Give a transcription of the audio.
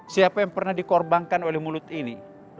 siapa yang pernah dikorbankan oleh mulut ini